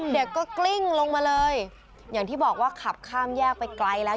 เด็กก็กลิ้งลงมาเลยอย่างที่บอกว่าขับข้ามแยกไปไกลแล้ว